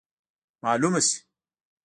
معلومه سي.